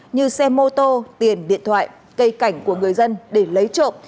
như xe mô tô tiền điện thoại cây cảnh của người dân để lấy trộm